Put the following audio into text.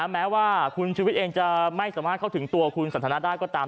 แม้ว่าคุณชุวิตเองจะไม่สามารถเข้าถึงตัวคุณสันทนาได้ก็ตาม